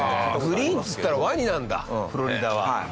グリーンっつったらワニなんだフロリダは。